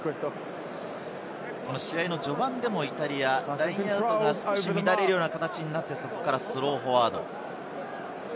試合の序盤でもイタリア、ラインアウトが少し乱れるような形になって、そこからスローフォワード。